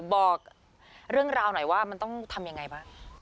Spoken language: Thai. บอกเรื่องราวหน่อยว่ามันต้องทำยังไงบ้าง